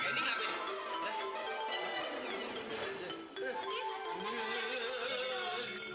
tadi lu gak pernah sampai ke sini